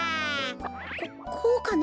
ここうかな。